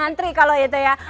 ngantri kalau itu ya